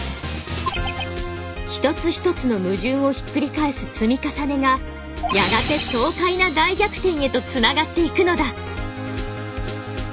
一つ一つのムジュンをひっくり返す積み重ねがやがて爽快な大逆転へとつながっていくのだ。